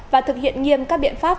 và thực hiện nghiêm các biện pháp